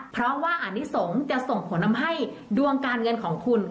เพราะว่าอนิสงฆ์จะส่งผลทำให้ดวงการเงินของคุณ